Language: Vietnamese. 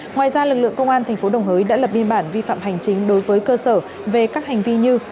ngoài ra lực lượng công an tp đồng hới đã lập biên bản vi phạm hành chính đối với cơ sở về các hành vi như